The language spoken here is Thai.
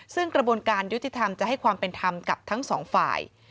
ซึ่งกระบวนการยุติธรรมจะให้ความเป็นธรรมกับทั้งสองฝ่าย